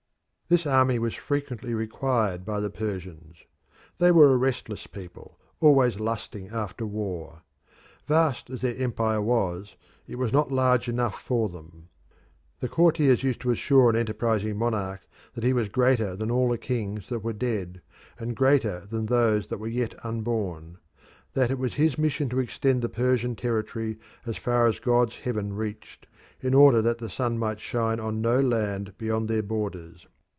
This army was frequently required by the Persians. They were a restless people, always lusting after war. Vast as their empire was, it was not large enough for them. The courtiers used to assure an enterprising monarch that he was greater than all the kings that were dead, and greater than those that were yet unborn; that it was his mission to extend the Persian territory as far as God's heaven reached, in order that the sun might shine on no land beyond their borders.